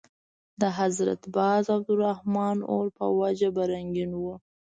د حضرت باز او عبدالرحمن اور په وجه به رنګین وو.